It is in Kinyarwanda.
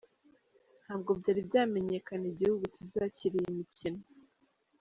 Ntabwo byari byamenyekana igihugu kizakira iyi mikino.